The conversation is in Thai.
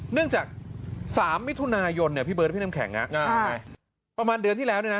เนื่องจากสามมิถุนายนพี่เบิร์ดพี่น้ำแข็งประมาณเดือนที่แล้ว